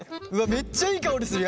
めっちゃいい香りする！